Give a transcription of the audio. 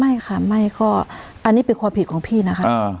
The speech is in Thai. ไม่ค่ะไม่ก็อันนี้เป็นความผิดของพี่นะคะ